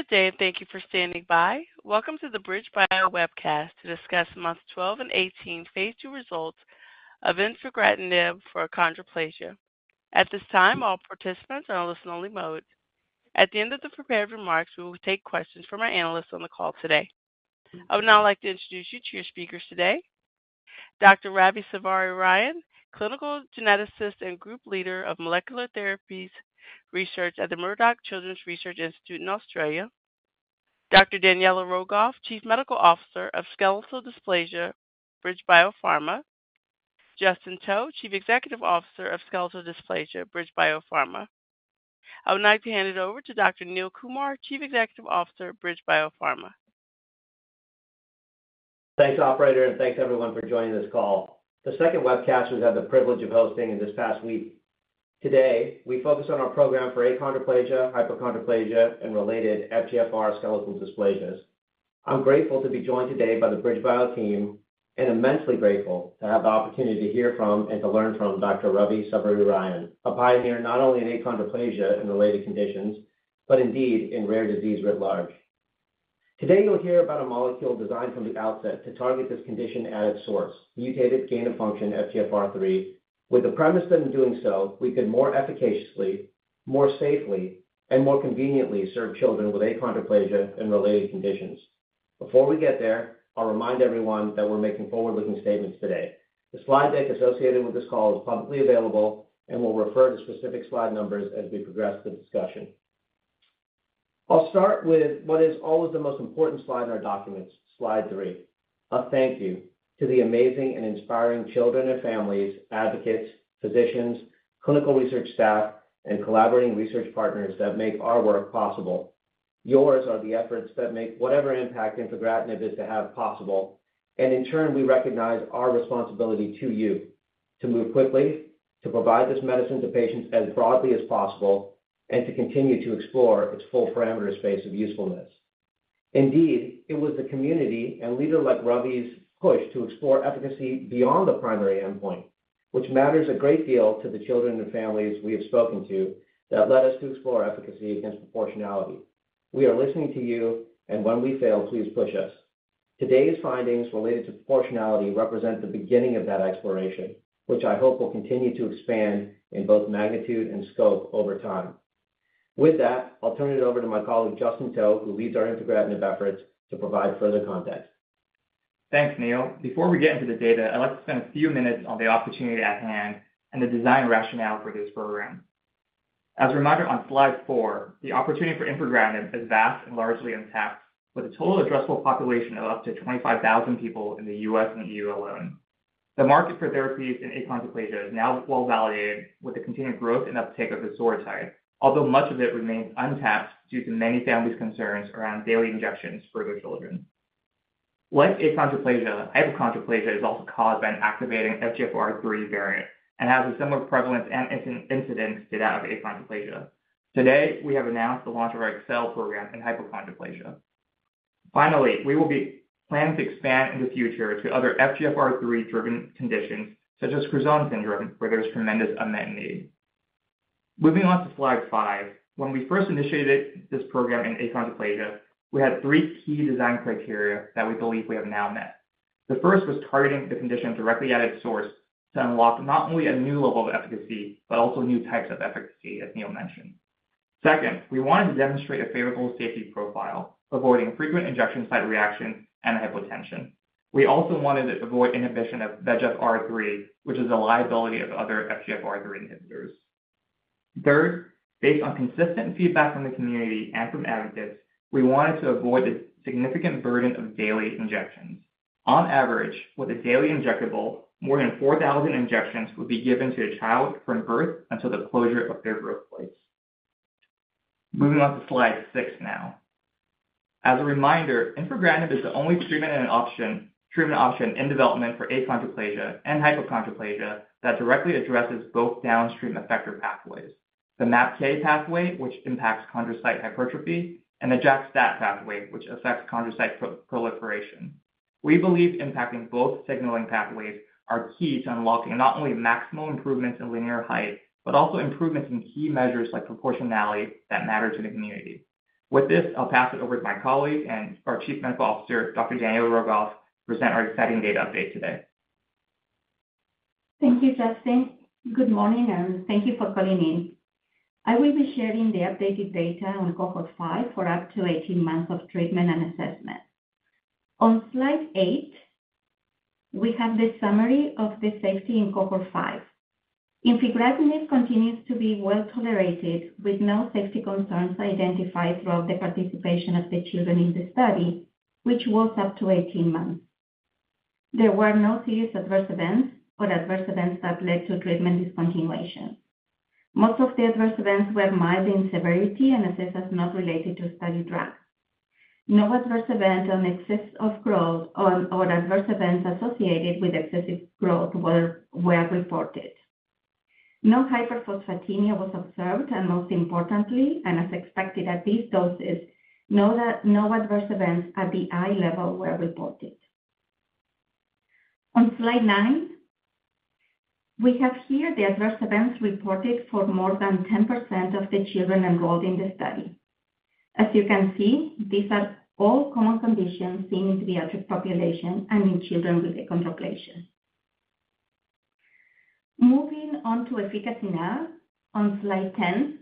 Good day, and thank you for standing by. Welcome to the BridgeBio Webcast to Discuss Month 12 and 18 phase II Results of Infigratinib for Achondroplasia. At this time, all participants are on listen-only mode. At the end of the prepared remarks, we will take questions from our analysts on the call today. I would now like to introduce you to your speakers today. Dr. Ravi Savarirayan, Clinical Geneticist and Group Leader of Molecular Therapies Research at the Murdoch Children's Research Institute in Australia. Dr. Daniela Rogoff, Chief Medical Officer of Skeletal Dysplasia, BridgeBio Pharma. Justin To, Chief Executive Officer of Skeletal Dysplasia, BridgeBio Pharma. I would now like to hand it over to Dr. Neil Kumar, Chief Executive Officer, BridgeBio Pharma. Thanks, operator, and thanks, everyone, for joining this call, the second webcast we've had the privilege of hosting in this past week. Today, we focus on our program for achondroplasia, hypochondroplasia, and related FGFR skeletal dysplasias. I'm grateful to be joined today by the BridgeBio team and immensely grateful to have the opportunity to hear from and to learn from Dr. Ravi Savarirayan, a pioneer not only in achondroplasia and related conditions, but indeed in rare disease writ large. Today, you'll hear about a molecule designed from the outset to target this condition at its source, mutated gain-of-function FGFR3, with the premise that in doing so, we could more efficaciously, more safely, and more conveniently serve children with achondroplasia and related conditions. Before we get there, I'll remind everyone that we're making forward-looking statements today. The slide deck associated with this call is publicly available, and we'll refer to specific slide numbers as we progress the discussion. I'll start with what is always the most important slide in our documents, slide three. A thank you to the amazing and inspiring children and families, advocates, physicians, clinical research staff, and collaborating research partners that make our work possible. Yours are the efforts that make whatever impact infigratinib is to have possible, and in turn, we recognize our responsibility to you to move quickly, to provide this medicine to patients as broadly as possible, and to continue to explore its full parameter space of usefulness. Indeed, it was the community and leader like Ravi's push to explore efficacy beyond the primary endpoint, which matters a great deal to the children and families we have spoken to, that led us to explore efficacy against proportionality. We are listening to you, and when we fail, please push us. Today's findings related to proportionality represent the beginning of that exploration, which I hope will continue to expand in both magnitude and scope over time. With that, I'll turn it over to my colleague, Justin To, who leads our infigratinib efforts to provide further context. Thanks, Neil. Before we get into the data, I'd like to spend a few minutes on the opportunity at hand and the design rationale for this program. As a reminder, on slide four, the opportunity for infigratinib is vast and largely untapped, with a total addressable population of up to 25,000 people in the U.S. and EU alone. The market for therapies in achondroplasia is now well-validated, with the continued growth and uptake of Voxzogo, although much of it remains untapped due to many families' concerns around daily injections for their children. Like achondroplasia, hypochondroplasia is also caused by an activating FGFR3 variant and has a similar prevalence and incidence to that of achondroplasia. Today, we have announced the launch of our ACCEL program in hypochondroplasia. Finally, we will be planning to expand in the future to other FGFR3-driven conditions, such as Crouzon syndrome, where there's tremendous unmet need. Moving on to slide five. When we first initiated this program in achondroplasia, we had three key design criteria that we believe we have now met. The first was targeting the condition directly at its source to unlock not only a new level of efficacy, but also new types of efficacy, as Neil mentioned. Second, we wanted to demonstrate a favorable safety profile, avoiding frequent injection site reactions and hypotension. We also wanted to avoid inhibition of VEGFR3, which is a liability of other FGFR3 inhibitors. Third, based on consistent feedback from the community and from advocates, we wanted to avoid the significant burden of daily injections. On average, with a daily injectable, more than 4,000 injections would be given to a child from birth until the closure of their growth plates. Moving on to slide 6 now. As a reminder, infigratinib is the only treatment and an option, treatment option in development for achondroplasia and hypochondroplasia that directly addresses both downstream effector pathways: the MAPK pathway, which impacts chondrocyte hypertrophy, and the JAK/STAT pathway, which affects chondrocyte proliferation. We believe impacting both signaling pathways are key to unlocking not only maximal improvements in linear height, but also improvements in key measures like proportionality that matter to the community. With this, I'll pass it over to my colleague and our Chief Medical Officer, Dr. Daniela Rogoff, to present our exciting data update today. Thank you, Justin. Good morning, and thank you for calling in. I will be sharing the updated data on cohort 5 for up to 18 months of treatment and assessment. On slide 8, we have the summary of the safety in cohort 5. Infigratinib continues to be well-tolerated, with no safety concerns identified throughout the participation of the children in the study, which was up to 18 months. There were no serious adverse events or adverse events that led to treatment discontinuation. Most of the adverse events were mild in severity and assessed as not related to study drug. No adverse event on excess of growth or adverse events associated with excessive growth were reported. No hyperphosphatemia was observed, and most importantly, and as expected at these doses, no adverse events at the eye level were reported. On slide 9, we have here the adverse events reported for more than 10% of the children enrolled in the study. As you can see, these are all common conditions seen in pediatric population and in children with achondroplasia. Moving on to efficacy now, on slide 10,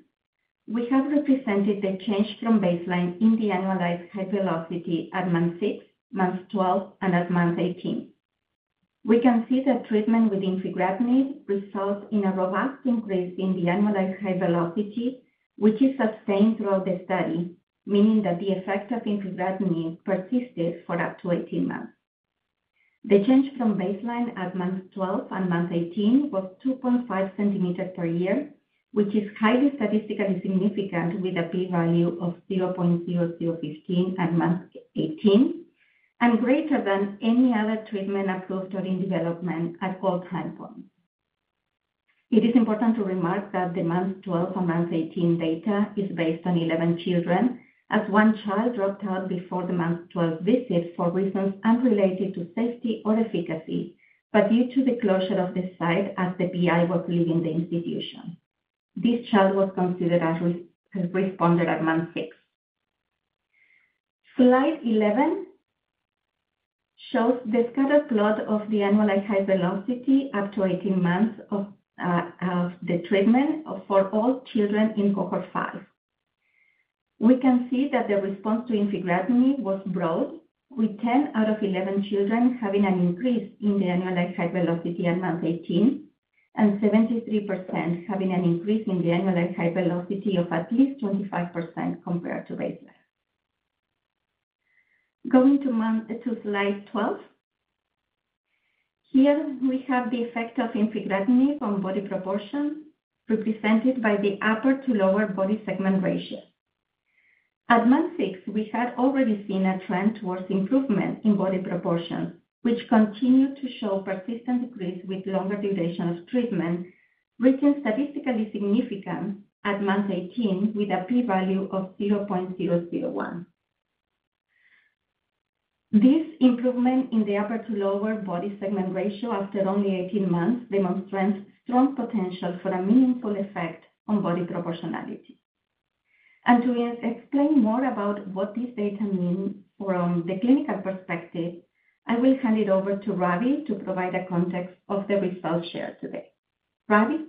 we have represented the change from baseline in the annualized height velocity at month 6, month 12, and at month 18. We can see that treatment with infigratinib results in a robust increase in the annualized height velocity, which is sustained throughout the study, meaning that the effect of infigratinib persisted for up to 18 months. The change from baseline at month 12 and month 18 was 2.5 cm per year, which is highly statistically significant, with a P value of 0.0015 at month 18, and greater than any other treatment approved or in development at all time points. It is important to remark that the month 12 or month 18 data is based on 11 children, as one child dropped out before the month 12 visit for reasons unrelated to safety or efficacy, but due to the closure of the site as the PI was leaving the institution. This child was considered as responder at month 6. Slide 11 shows the scatter plot of the annualized height velocity up to 18 months of the treatment for all children in cohort 5. We can see that the response to infigratinib was broad, with 10 out of 11 children having an increase in the annualized height velocity at month 18, and 73% having an increase in the annualized height velocity of at least 25% compared to baseline. Going to slide 12. Here, we have the effect of infigratinib on body proportion, represented by the upper to lower body segment ratio. At month 6, we had already seen a trend towards improvement in body proportion, which continued to show persistent decrease with longer duration of treatment, reaching statistically significant at month 18, with a P value of 0.001. This improvement in the upper to lower body segment ratio after only 18 months demonstrates strong potential for a meaningful effect on body proportionality. And to, yes, explain more about what this data means from the clinical perspective, I will hand it over to Ravi to provide a context of the results shared today. Robbie?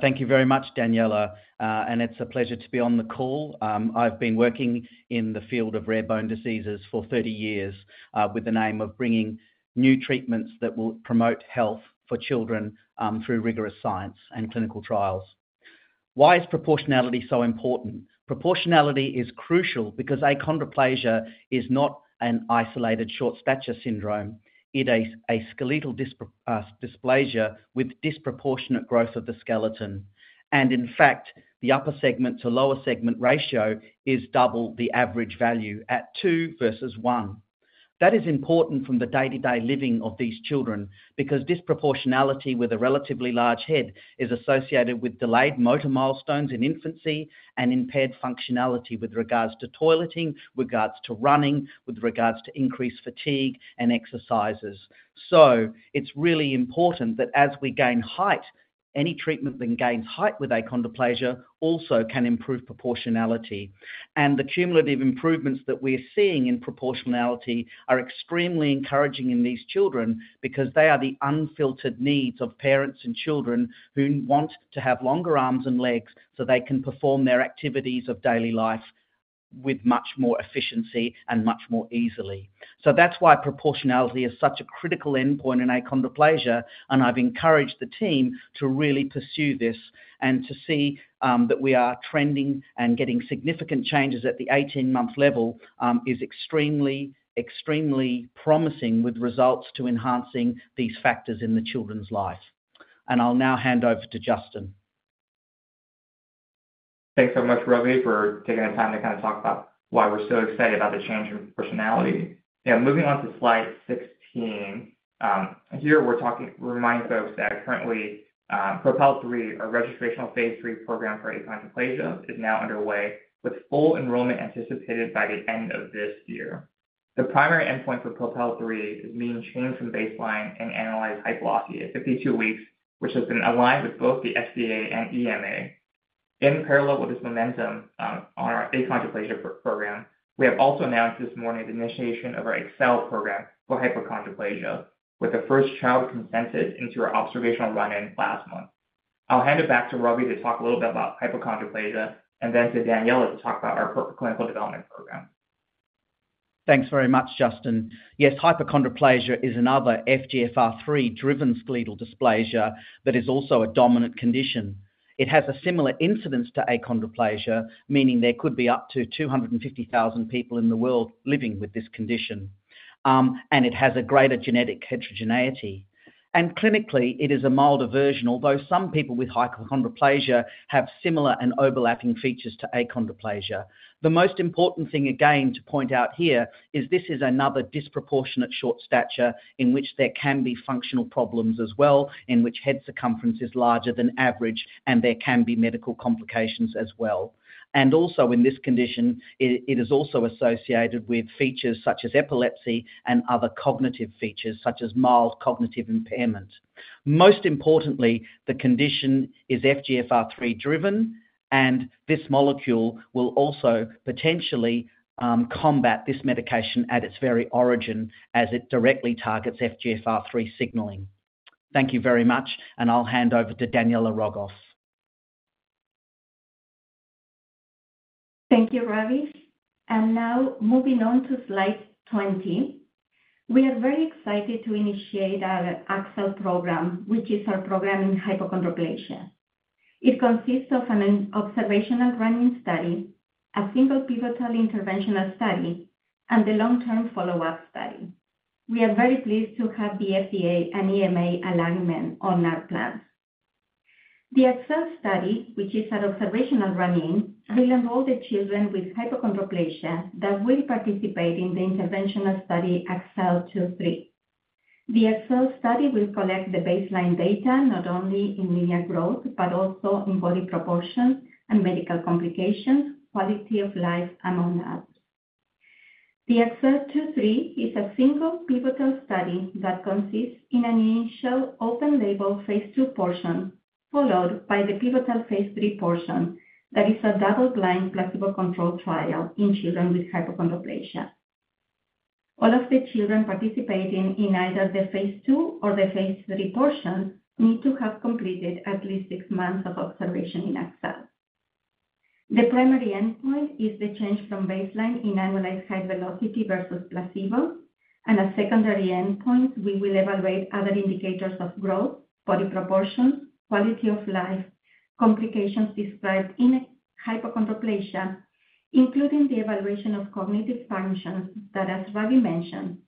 Thank you very much, Daniela. And it's a pleasure to be on the call. I've been working in the field of rare bone diseases for 30 years, with an aim of bringing new treatments that will promote health for children, through rigorous science and clinical trials. Why is proportionality so important? Proportionality is crucial because achondroplasia is not an isolated short stature syndrome. It is a skeletal dysplasia with disproportionate growth of the skeleton. And in fact, the upper segment to lower segment ratio is double the average value at two versus one. That is important from the day-to-day living of these children, because disproportionality with a relatively large head is associated with delayed motor milestones in infancy and impaired functionality with regards to toileting, with regards to running, with regards to increased fatigue and exercises. So it's really important that as we gain height, any treatment that gains height with achondroplasia also can improve proportionality. And the cumulative improvements that we're seeing in proportionality are extremely encouraging in these children because they are the unfiltered needs of parents and children who want to have longer arms and legs, so they can perform their activities of daily life with much more efficiency and much more easily. So that's why proportionality is such a critical endpoint in achondroplasia, and I've encouraged the team to really pursue this and to see that we are trending and getting significant changes at the 18-month level is extremely, extremely promising, with results to enhancing these factors in the children's life. And I'll now hand over to Justin. Thanks so much, Ravi, for taking the time to kind of talk about why we're so excited about the change in proportionality. Yeah, moving on to slide 16. Here we're talking, reminding folks that currently, PROPEL 3, our registrational phase III program for achondroplasia, is now underway with full enrollment anticipated by the end of this year. The primary endpoint for PROPEL 3 is mean change from baseline in annualized height velocity at 52 weeks, which has been aligned with both the FDA and EMA. In parallel with this momentum, on our achondroplasia program, we have also announced this morning the initiation of our ACCEL program for hypochondroplasia, with the first child consented into our observational run-in last month. I'll hand it back to Robbie to talk a little bit about hypochondroplasia and then to Daniela to talk about our clinical development program. Thanks very much, Justin. Yes, hypochondroplasia is another FGFR3-driven skeletal dysplasia that is also a dominant condition. It has a similar incidence to achondroplasia, meaning there could be up to 250,000 people in the world living with this condition. It has a greater genetic heterogeneity. Clinically, it is a milder version, although some people with hypochondroplasia have similar and overlapping features to achondroplasia. The most important thing, again, to point out here, is this is another disproportionate short stature in which there can be functional problems as well, in which head circumference is larger than average, and there can be medical complications as well. Also in this condition, it is also associated with features such as epilepsy and other cognitive features, such as mild cognitive impairment. Most importantly, the condition is FGFR3-driven, and this molecule will also potentially combat this medication at its very origin as it directly targets FGFR3 signaling. Thank you very much, and I'll hand over to Daniela Rogoff. Thank you, Ravi. Now moving on to slide 20. We are very excited to initiate our ACCEL program, which is our program in hypochondroplasia. It consists of an observational run-in study, a single pivotal interventional study, and a long-term follow-up study. We are very pleased to have the FDA and EMA alignment on our plans. The ACCEL study, which is an observational run-in, will enroll the children with hypochondroplasia that will participate in the interventional study, ACCEL 2/3. The ACCEL study will collect the baseline data, not only in linear growth, but also in body proportions and medical complications, quality of life, among others. The ACCEL 2/3 is a single pivotal study that consists in an initial open-label phase II portion, followed by the pivotal phase III portion that is a double-blind, placebo-controlled trial in children with hypochondroplasia. All of the children participating in either the phase II or the phase III portion need to have completed at least 6 months of observation in ACCEL. The primary endpoint is the change from baseline in annualized height velocity versus placebo, and a secondary endpoint. We will evaluate other indicators of growth, body proportions, quality of life, complications described in hypochondroplasia, including the evaluation of cognitive functions, that as Ravi mentioned,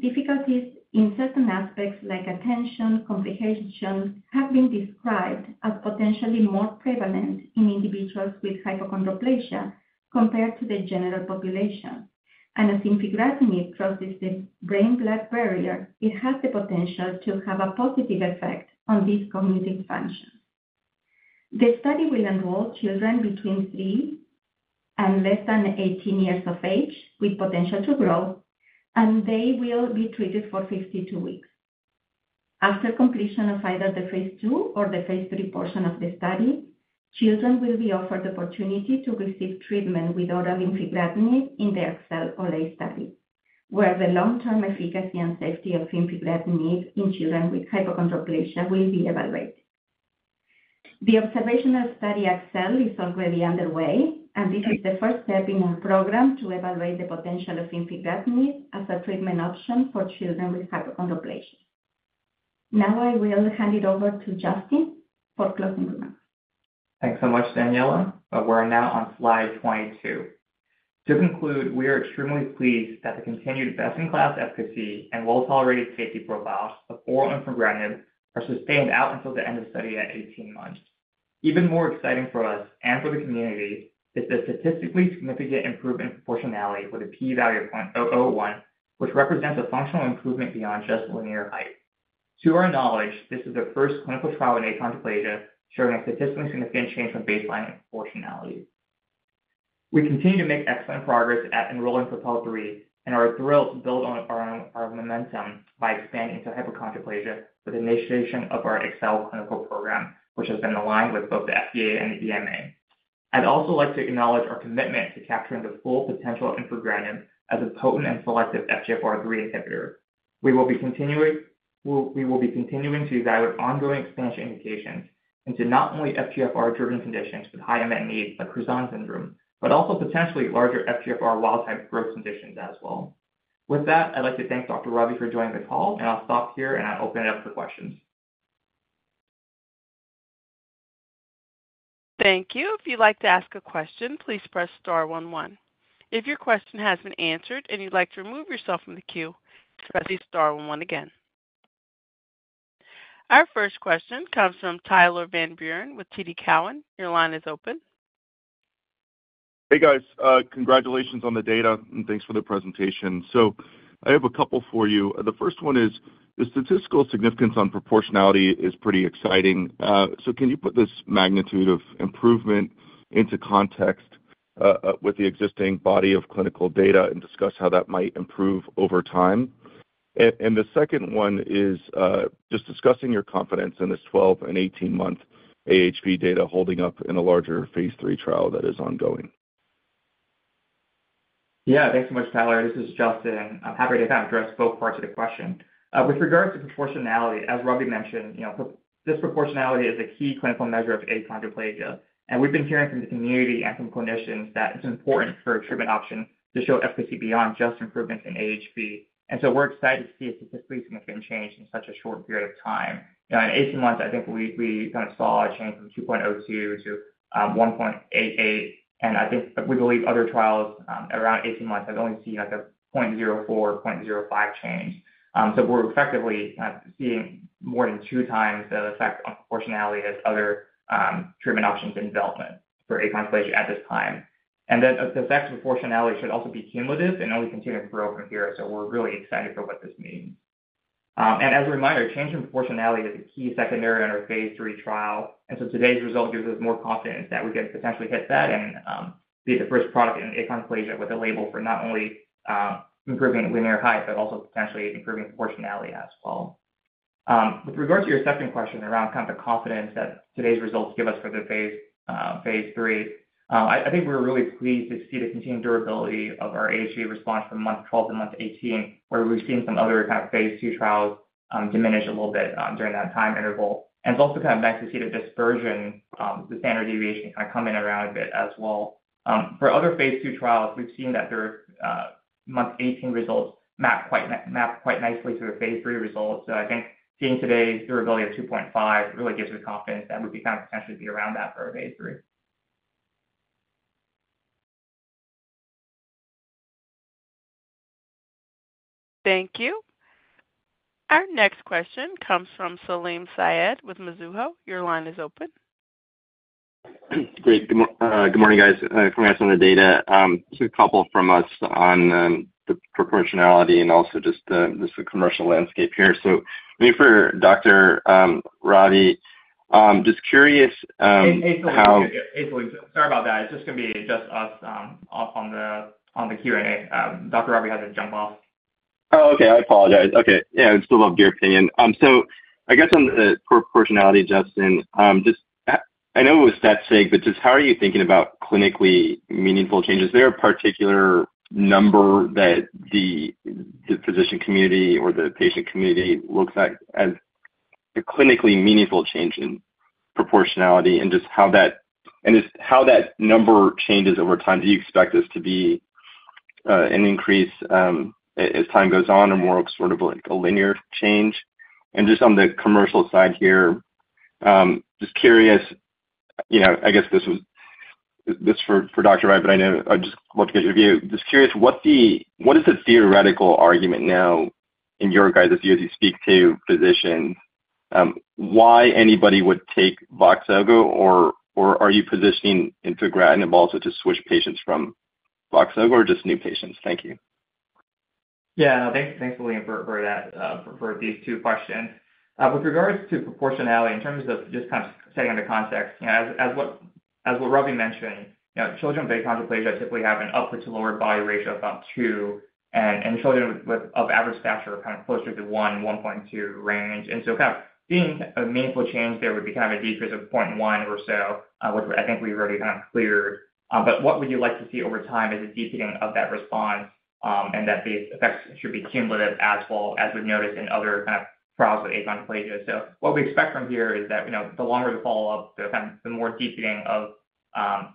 difficulties in certain aspects like attention, comprehension, have been described as potentially more prevalent in individuals with hypochondroplasia compared to the general population. And as infigratinib crosses the blood-brain barrier, it has the potential to have a positive effect on these cognitive functions. The study will enroll children between 3 and less than 18 years of age with potential to grow, and they will be treated for 52 weeks. After completion of either the phase II or the phase III portion of the study, children will be offered the opportunity to receive treatment with oral infigratinib in the ACCEL OLE study, where the long-term efficacy and safety of infigratinib in children with hypochondroplasia will be evaluated. The observational study, ACCEL, is already underway, and this is the first step in our program to evaluate the potential of infigratinib as a treatment option for children with hypochondroplasia. Now I will hand it over to Justin for closing remarks. Thanks so much, Daniela. We're now on slide 22. To conclude, we are extremely pleased that the continued best-in-class efficacy and well-tolerated safety profile of oral infigratinib are sustained out until the end of study at 18 months. Even more exciting for us and for the community is the statistically significant improvement in proportionality with a p-value of 0.01, which represents a functional improvement beyond just linear height. To our knowledge, this is the first clinical trial in achondroplasia showing a statistically significant change from baseline proportionality. We continue to make excellent progress at enrolling PROPEL 3 and are thrilled to build on our momentum by expanding to hypochondroplasia with initiation of our ACCEL clinical program, which has been aligned with both the FDA and the EMA. I'd also like to acknowledge our commitment to capturing the full potential of infigratinib as a potent and selective FGFR3 inhibitor. We will be continuing to evaluate ongoing expansion indications into not only FGFR-driven conditions with high unmet needs, like Crouzon syndrome, but also potentially larger FGFR wild-type growth conditions as well. With that, I'd like to thank Dr. Ravi for joining the call, and I'll stop here and open it up to questions. Thank you. If you'd like to ask a question, please press star one one. If your question has been answered and you'd like to remove yourself from the queue, press star one one again. Our first question comes from Tyler Van Buren with TD Cowen. Your line is open. Hey, guys, congratulations on the data, and thanks for the presentation. I have a couple for you. The first one is, the statistical significance on proportionality is pretty exciting. So can you put this magnitude of improvement into context, with the existing body of clinical data and discuss how that might improve over time? And the second one is, just discussing your confidence in this 12- and 18-month AHV data holding up in a larger phase III trial that is ongoing. Yeah, thanks so much, Tyler. This is Justin. I'm happy to address both parts of the question. With regards to proportionality, as Ravi mentioned, you know, disproportionality is a key clinical measure of achondroplasia, and we've been hearing from the community and from clinicians that it's important for a treatment option to show efficacy beyond just improvements in AHV. So we're excited to see a statistically significant change in such a short period of time. In 18 months, I think we kind of saw a change from 2.02 to 1.88, and I think we believe other trials around 18 months have only seen like a 0.04, 0.05 change. So we're effectively kind of seeing more than 2 times the effect on proportionality as other treatment options in development for achondroplasia at this time. Then the effect on proportionality should also be cumulative and only continue to grow from here, so we're really excited for what this means. And as a reminder, change in proportionality is a key secondary in our phase III trial, and so today's result gives us more confidence that we can potentially hit that and be the first product in achondroplasia with a label for not only improving linear height, but also potentially improving proportionality as well. With regard to your second question around kind of the confidence that today's results give us for the phase III, I think we're really pleased to see the continued durability of our AHV response from month 12 to month 18, where we've seen some other kind of phase II trials diminish a little bit during that time interval. It's also kind of nice to see the dispersion, the standard deviation kind of coming around a bit as well. For other phase II trials, we've seen that there month 18 results map quite nicely to our phase III results. So I think seeing today's durability of 2.5 really gives us confidence that would be found potentially be around that for our phase III. Thank you. Our next question comes from Salim Syed with Mizuho. Your line is open. Great. Good morning, guys. Congrats on the data. Just a couple from us on the proportionality and also just the commercial landscape here. So maybe for Dr. Ravi, just curious, how Hey, hey, Salim. Sorry about that. It's just gonna be just us off on the Q&A. Dr. Ravi had to jump off. Oh, okay, I apologize. Okay. Yeah, I'd still love your opinion. So I guess on the proportionality, Justin, just, I know it was stat sig, but just how are you thinking about clinically meaningful changes? Is there a particular number that the physician community or the patient community looks at as a clinically meaningful change in proportionality? And just how that number changes over time. Do you expect this to be an increase as time goes on, or more sort of like a linear change? And just on the commercial side here, just curious, you know, I guess this is for Dr. Ravi, but I know I just want to get your view. Just curious, what the- what is the theoretical argument now in your guys, as you speak to physicians, why anybody would take Voxzogo, or are you positioning infigratinib also to switch patients from Voxzogo or just new patients? Thank you. Yeah. No, thanks, Salim, for that, for these two questions. With regards to proportionality, in terms of just kind of setting the context, you know, as what Ravi mentioned, you know, children with achondroplasia typically have an upper to lower body ratio of about 2, and children of average stature are kind of closer to 1.2 range. So kind of seeing a meaningful change, there would be kind of a decrease of 0.1 or so, which I think we've already kind of cleared. But what would you like to see over time is a deepening of that response, and that these effects should be cumulative as well, as we've noticed in other kind of trials with achondroplasia. So what we expect from here is that, you know, the longer the follow-up, the more deepening of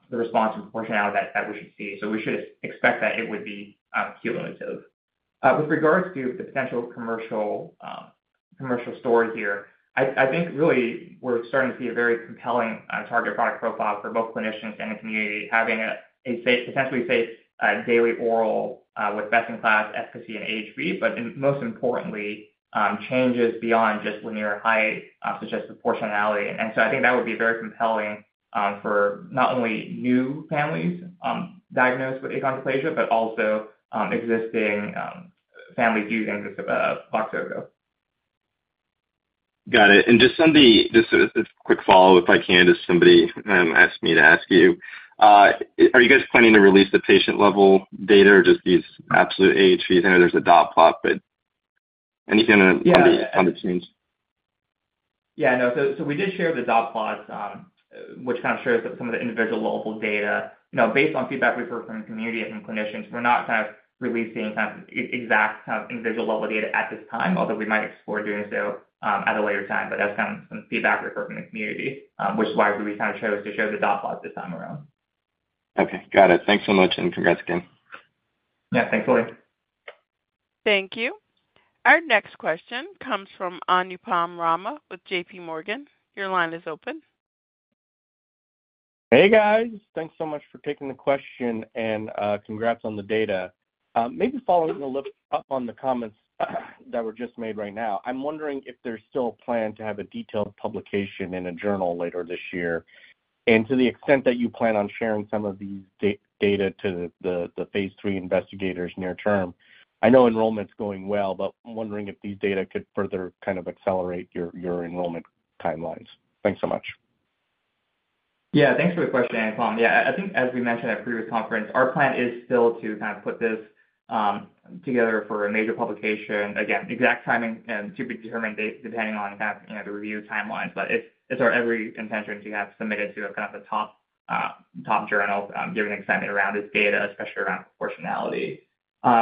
the response and proportionality that we should see. So we should expect that it would be cumulative. With regards to the potential commercial commercial story here, I think really we're starting to see a very compelling target product profile for both clinicians and the community, having a safe, potentially safe, daily oral, with best-in-class efficacy and AHV, but most importantly, changes beyond just linear height, such as proportionality. And so I think that would be very compelling for not only new families diagnosed with achondroplasia, but also existing families using just Voxzogo. Got it. Just a quick follow-up, if I can. Somebody asked me to ask you. Are you guys planning to release the patient-level data or just these absolute AHVs? I know there's a dot plot, but anything on the teams? Yeah. No, so, so we did share the dot plots, which kind of shows some of the individual-level data. You know, based on feedback we've heard from the community and from clinicians, we're not kind of releasing kind of e-exact kind of individual-level data at this time, although we might explore doing so, at a later time, but that's kind of some feedback we've heard from the community, which is why we kind of chose to show the dot plots this time around. Okay, got it. Thanks so much, and congrats again. Yeah, thanks, Salim. Thank you. Our next question comes from Anupam Rama with J.P. Morgan. Your line is open. Hey, guys, thanks so much for taking the question, and congrats on the data. Maybe following up on the comments that were just made right now. I'm wondering if there's still a plan to have a detailed publication in a journal later this year. To the extent that you plan on sharing some of these data to the phase III investigators near term, I know enrollment's going well, but I'm wondering if these data could further kind of accelerate your enrollment timelines. Thanks so much. Yeah, thanks for the question, Anupam. Yeah, I think as we mentioned at a previous conference, our plan is still to kind of put this together for a major publication. Again, exact timing to be determined, depending on kind of the review timelines, but it's our every intention to have submitted to a kind of a top top journal, given the excitement around this data, especially around proportionality.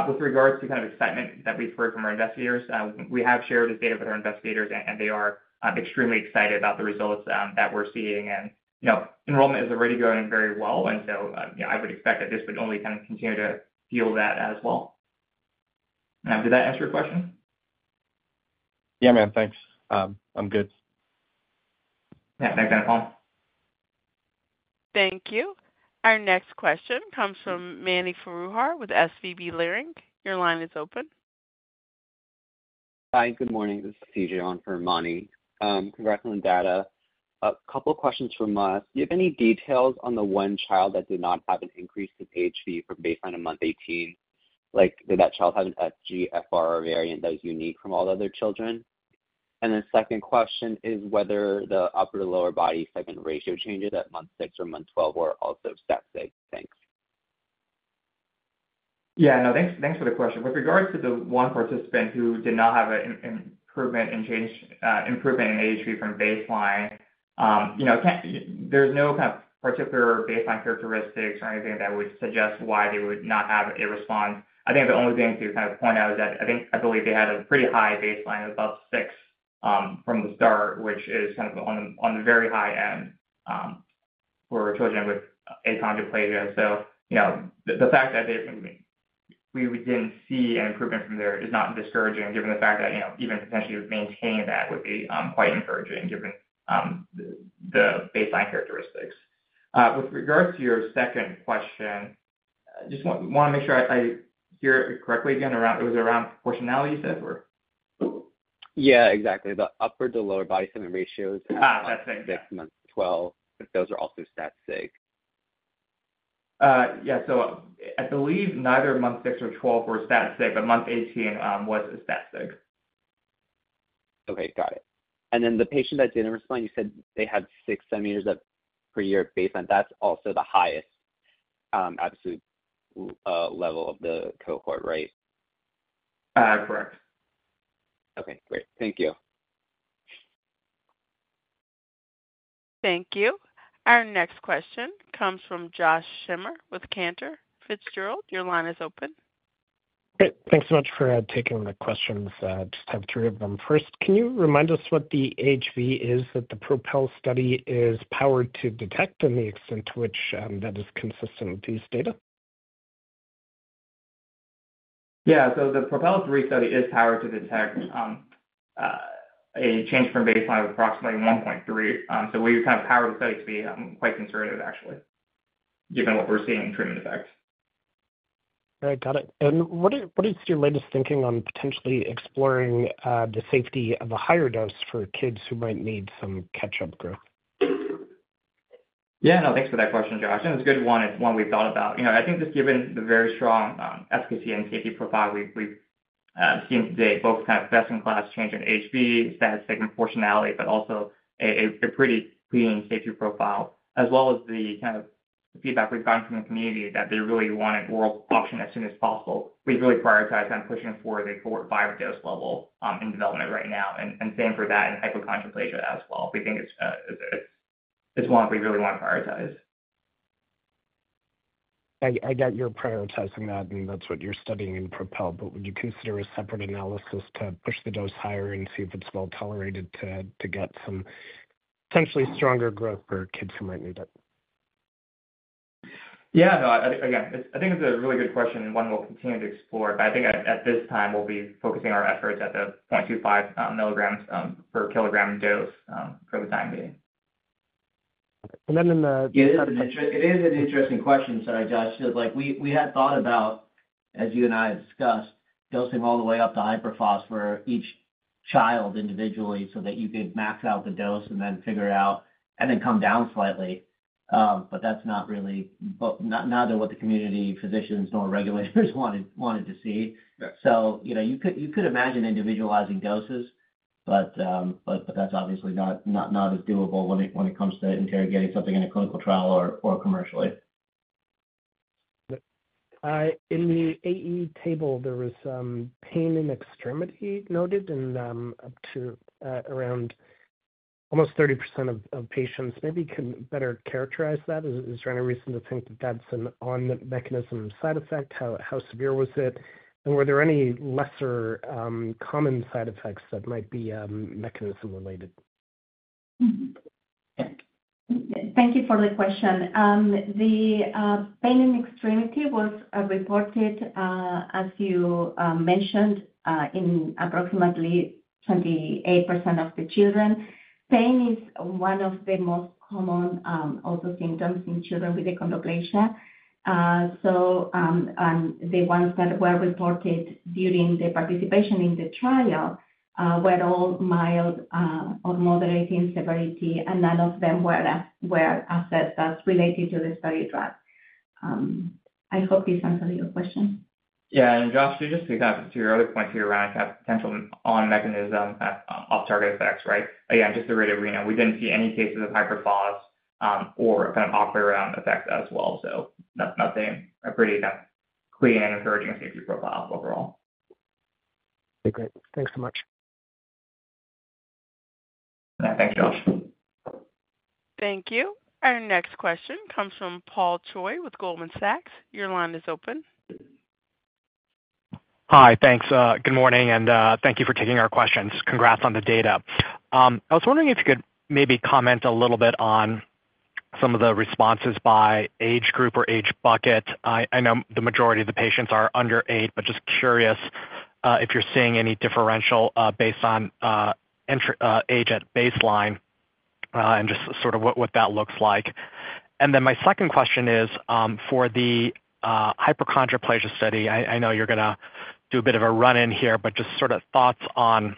With regards to the kind of excitement that we've heard from our investigators, we have shared this data with our investigators, and they are extremely excited about the results that we're seeing. And, you know, enrollment is already going very well. And so, you know, I would expect that this would only kind of continue to fuel that as well. Did that answer your question? Yeah, man, thanks. I'm good. Yeah. Thanks, Anupam. Thank you. Our next question comes from Mani Foroohar with Leerink. Your line is open. Hi, good morning. This is CJ on for Manny. Congrats on the data. A couple questions from us. Do you have any details on the one child that did not have an increase in AHV from baseline to month 18? Like, did that child have an FGFR variant that is unique from all the other children? And then second question is whether the upper to lower body segment ratio changes at month 6 or month 12 were also stat sig. Thanks. Yeah. No, thanks, thanks for the question. With regards to the 1 participant who did not have an improvement in AHV from baseline, you know, there's no kind of particular baseline characteristics or anything that would suggest why they would not have a response. I think the only thing to kind of point out is that I think I believe they had a pretty high baseline of about 6 from the start, which is kind of on, on the very high end for children with achondroplasia. So, you know, the, the fact that they've, we, we didn't see an improvement from there is not discouraging, given the fact that, you know, even potentially maintaining that would be quite encouraging, given the, the baseline characteristics. With regards to your second question, just wanna make sure I hear it correctly again, around. It was around proportionality, you said, or? Yeah, exactly. The upper to lower body segment ratios- Ah, that's it. 6 months, 12, if those are also stat sig. Yeah. So I believe neither month 6 or 12 were stat sig, but month 18 was a stat sig. Okay, got it. And then the patient that didn't respond, you said they had 6 cm per year baseline. That's also the highest, absolute level of the cohort, right? Uh, correct. Okay, great. Thank you. Thank you. Our next question comes from Josh Schimmer with Cantor Fitzgerald. Your line is open. Great. Thanks so much for taking the questions. Just have three of them. First, can you remind us what the AHV is that the PROPEL study is powered to detect and the extent to which, that is consistent with these data? Yeah. So the PROPEL 3 study is powered to detect a change from baseline of approximately 1.3. So we kind of powered the study to be quite conservative, actually, given what we're seeing in treatment effects. All right. Got it. And what is your latest thinking on potentially exploring the safety of a higher dose for kids who might need some catch-up growth? Yeah, no, thanks for that question, Josh. It's a good one. It's one we've thought about. You know, I think just given the very strong efficacy and safety profile we've seen today, both kind of best-in-class change in HB, stat sig and proportionality, but also a pretty clean safety profile, as well as the kind of feedback we've gotten from the community that they really want an oral option as soon as possible. We've really prioritized on pushing for the 4-5 dose level in development right now, and same for that in hypochondroplasia as well. We think it's, it's one we really want to prioritize. I get you're prioritizing that, and that's what you're studying in PROPEL, but would you consider a separate analysis to push the dose higher and see if it's well tolerated to get some potentially stronger growth for kids who might need it? Yeah. No, I, again, I think it's a really good question and one we'll continue to explore. But I think at this time, we'll be focusing our efforts at the 0.25 mg per kg dose for the time being. And then in the It is an interesting question, sorry, Josh. So like we, we had thought about, as you and I had discussed, dosing all the way up to hyperphosphatemia each child individually so that you could max out the dose and then figure it out and then come down slightly. But that's not really. Well, not what the community physicians nor regulators wanted to see. Sure. So, you know, you could imagine individualizing doses, but that's obviously not as doable when it comes to interrogating something in a clinical trial or commercially. In the AE table, there was pain in extremity noted and up to around almost 30% of patients. Maybe you can better characterize that. Is there any reason to think that that's an on-mechanism side effect? How severe was it? And were there any lesser common side effects that might be mechanism related? Thank you for the question. The pain in extremity was reported as you mentioned in approximately 28% of the children. Pain is one of the most common also symptoms in children with achondroplasia. The ones that were reported during the participation in the trial were all mild or moderate in severity, and none of them were assessed as related to the study drug. I hope this answers your question. Yeah. And Josh, just to pick up on your other point here around kind of potential on-mechanism off-target effects, right? Again, just to reiterate, we didn't see any cases of hyperphosphatemia or kind of off-target effects as well. So that's nothing. A pretty clean and encouraging safety profile overall. Okay, great. Thanks so much. Thank you, Josh. Thank you. Our next question comes from Paul Choi with Goldman Sachs. Your line is open. Hi, thanks. Good morning, and thank you for taking our questions. Congrats on the data. I was wondering if you could maybe comment a little bit on some of the responses by age group or age bucket. I know the majority of the patients are under eight, but just curious if you're seeing any differential based on age at baseline, and just sort of what that looks like. And then my second question is, for the hypochondroplasia study, I know you're gonna do a bit of a run-in here, but just sorta thoughts on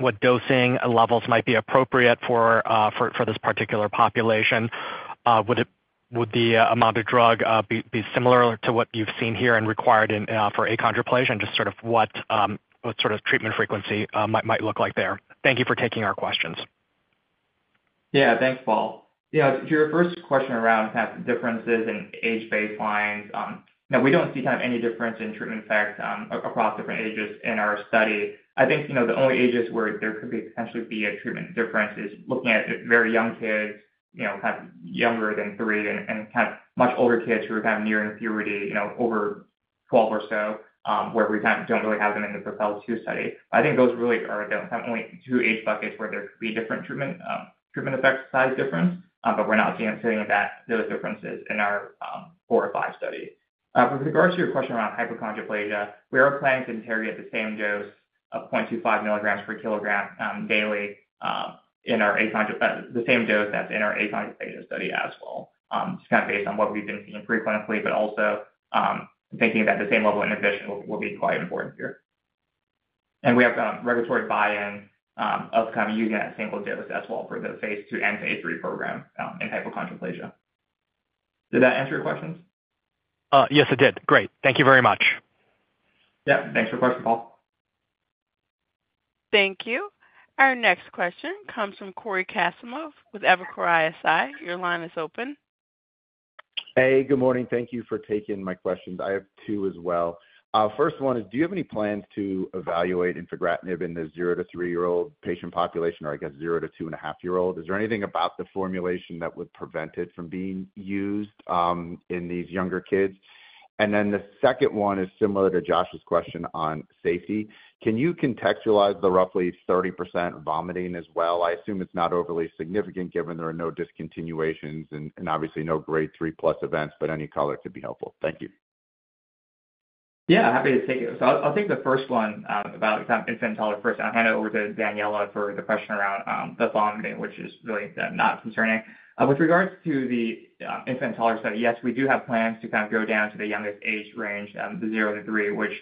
what dosing levels might be appropriate for this particular population. Would the amount of drug be similar to what you've seen here and required for achondroplasia, and just sort of what sort of treatment frequency might look like there? Thank you for taking our questions. Yeah. Thanks, Paul. Yeah, to your first question around kind of differences in age baselines, no, we don't see kind of any difference in treatment effects, across different ages in our study. I think, you know, the only ages where there could be, potentially be a treatment difference is looking at very young kids, you know, kind of younger than 3 and, and kind of much older kids who are kind of near in puberty, you know, over twelve or so, where we kind of don't really have them in the PROPEL-2 study. I think those really are the only two age buckets where there could be different treatment, treatment effect, size difference, but we're not seeing that those differences in our, 4 or 5 study. With regards to your question around hypochondroplasia, we are planning to interrogate the same dose of 0.25 mg per kg daily in our achondroplasia study as well. Just kind of based on what we've been seeing preclinically, but also thinking about the same level of inhibition will be quite important here. We have regulatory buy-in of kind of using that same dose as well for the phase II and phase III program in hypochondroplasia. Did that answer your questions? Yes, it did. Great. Thank you very much. Yeah. Thanks for the question, Paul. Thank you. Our next question comes from Corey Kasimov with Evercore ISI. Your line is open. Hey, good morning. Thank you for taking my questions. I have two as well. First one is, do you have any plans to evaluate infigratinib in the 0- to 3-year-old patient population or I guess, 0 to 2.5 year-old? Is there anything about the formulation that would prevent it from being used in these younger kids? And then the second one is similar to Josh's question on safety. Can you contextualize the roughly 30% vomiting as well? I assume it's not overly significant, given there are no discontinuations and obviously no grade 3 plus events, but any color could be helpful. Thank you. Yeah, happy to take it. So I'll take the first one about infant tolerance first, and I'll hand it over to Daniela for the question around the vomiting, which is really not concerning. With regards to the infant tolerance study, yes, we do have plans to kind of go down to the youngest age range, the 0-3, which,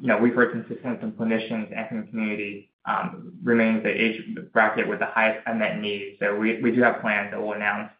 you know, we've heard consistently from clinicians and from the community, remains the age bracket with the highest unmet needs. So we do have plans that we'll announce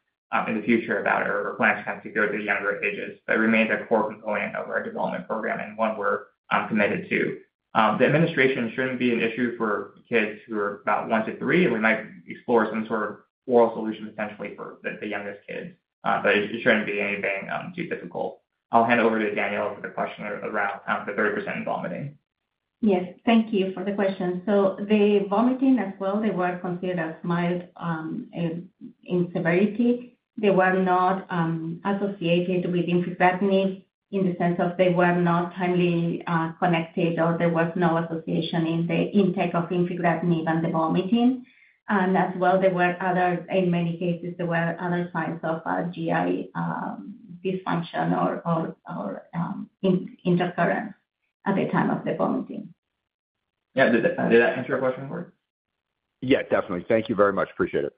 in the future about our plans to go to the younger ages. That remains a core component of our development program and one we're committed to. The administration shouldn't be an issue for kids who are about 1-3, and we might explore some sort of oral solution, essentially, for the youngest kids. But it shouldn't be anything too difficult. I'll hand over to Daniela for the question around the 30% vomiting. Yes. Thank you for the question. So the vomiting as well, they were considered as mild in severity. They were not associated with infigratinib in the sense of they were not highly connected, or there was no association in the intake of infigratinib and the vomiting. And as well, there were other, in many cases, there were other signs of GI dysfunction or intercurrent at the time of the vomiting. Yeah. Did that, did that answer your question, Corey? Yeah, definitely. Thank you very much. Appreciate it.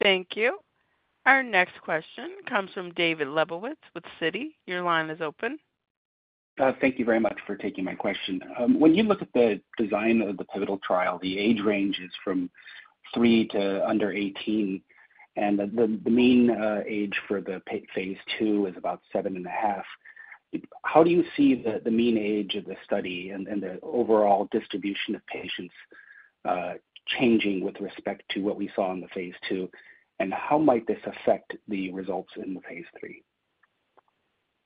Thank you. Our next question comes from David Lebowitz with Citi. Your line is open. Thank you very much for taking my question. When you look at the design of the pivotal trial, the age range is from 3 to under 18, and the mean age for the phase II is about 7.5. How do you see the mean age of the study and the overall distribution of patients changing with respect to what we saw in the phase II, and how might this affect the results in the phase III?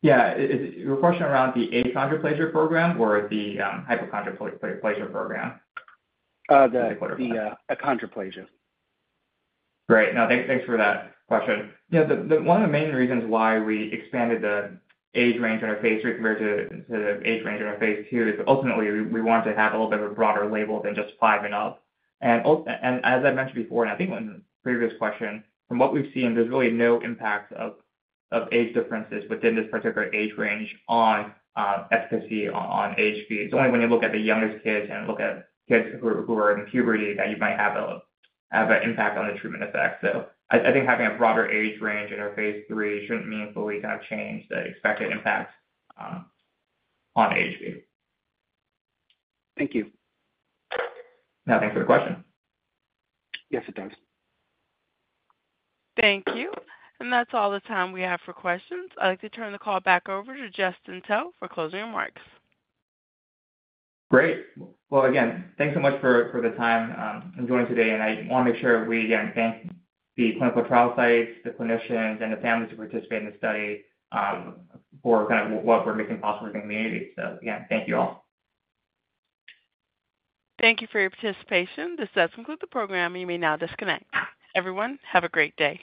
Yeah. Is your question around the achondroplasia program or the hypochondroplasia program? Uh, the Achondroplasia. the achondroplasia. Great. No, thanks, thanks for that question. You know, the one of the main reasons why we expanded the age range in our phase III compared to the age range in our phase II, is ultimately we want to have a little bit of a broader label than just five and up. And as I mentioned before, and I think on the previous question, from what we've seen, there's really no impact of age differences within this particular age range on efficacy on HP. It's only when you look at the youngest kids and look at kids who are in puberty, that you might have an impact on the treatment effect. So I think having a broader age range in our phase III shouldn't meaningfully kind of change the expected impact on HP. Thank you. Yeah, thanks for the question. Yes, it does. Thank you. That's all the time we have for questions. I'd like to turn the call back over to Justin To for closing remarks. Great. Well, again, thanks so much for the time in joining today. And I want to make sure we again thank the clinical trial sites, the clinicians, and the families who participated in the study for kind of what we're making possible in the community. So again, thank you all. Thank you for your participation. This does conclude the program. You may now disconnect. Everyone, have a great day.